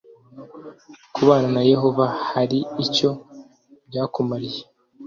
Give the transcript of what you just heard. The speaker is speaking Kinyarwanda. kubana na yehova hari icyo byakumariye